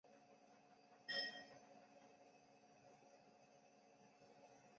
东晋大司马桓温之四子。